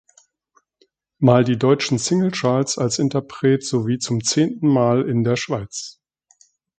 Mal die deutschen Singlecharts als Interpret sowie zum zehnten Mal in der Schweiz.